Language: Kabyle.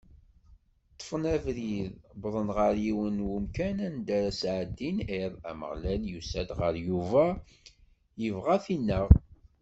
Ṭṭfen abrid, wwḍen ɣer yiwen n wemkan anda ara sɛeddin iḍ, Ameɣlal yusa-d ɣer Yuba, ibɣa ad t-ineɣ.